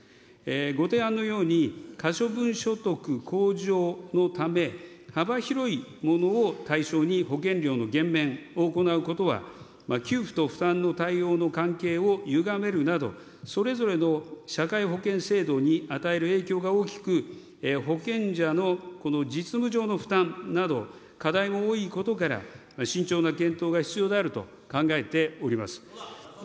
ご提案のように、可処分所得向上のため、幅広いものを対象に、保険料の減免を行うことは給付と負担の対応の関係をゆがめるなど、それぞれの社会保険制度に与える影響が大きく、保険者のこの実務上の負担など、課題も多いことから、慎重な検討が必要であると考えております。